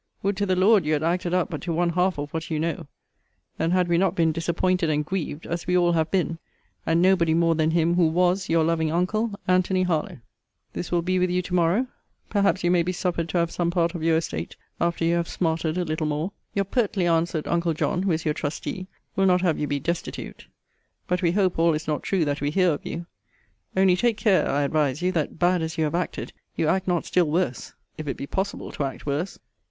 Would to the Lord you had acted up but to one half of what you know! then had we not been disappointed and grieved, as we all have been: and nobody more than him who was Your loving uncle, ANTONY HARLOWE. This will be with you to morrow. Perhaps you may be suffered to have some part of your estate, after you have smarted a little more. Your pertly answered uncle John, who is your trustee, will not have you be destitute. But we hope all is not true that we hear of you. Only take care, I advise you, that, bad as you have acted, you act not still worse, if it be possible to act worse.